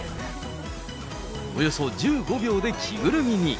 およそ１５秒で着ぐるみに。